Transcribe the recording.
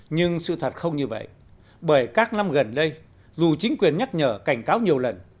nhưng sự thật không như vậy bởi các năm gần đây dù chính quyền nhắc nhở cảnh cáo nhiều lần